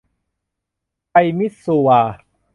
ไทยมิตซูวา